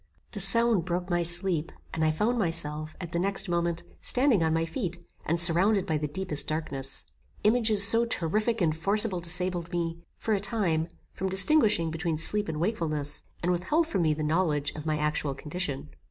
The sound broke my sleep, and I found myself, at the next moment, standing on my feet, and surrounded by the deepest darkness. Images so terrific and forcible disabled me, for a time, from distinguishing between sleep and wakefulness, and withheld from me the knowledge of my actual condition.